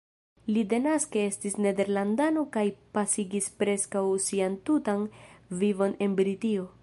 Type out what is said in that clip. Li denaske estis nederlandano kaj pasigis preskaŭ sian tutan vivon en Britio.